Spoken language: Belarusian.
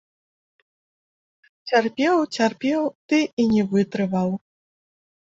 Цярпеў, цярпеў, ды і не вытрываў.